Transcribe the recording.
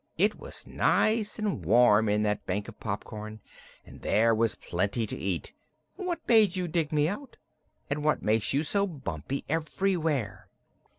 It was nice and warm in that bank of popcorn, and there was plenty to eat. What made you dig me out? And what makes you so bumpy everywhere?"